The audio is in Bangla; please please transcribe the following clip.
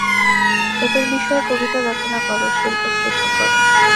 এদের বিষয়ে কবিতা রচনা কর, শিল্প সৃষ্টি কর।